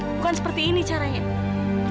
bukan seperti ini caranya